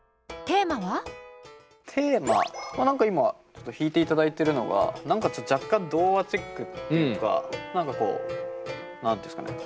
テーマ何か今ちょっと弾いていただいているのが何かちょっと若干童話チックっていうか何かこう何て言うんですかね。